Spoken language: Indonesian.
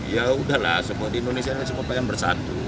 ya udahlah semua di indonesia ini semua pengen bersatu